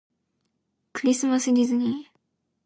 クリスマスディズニー